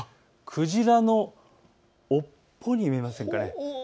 クジラの尾っぽに見えませんかね。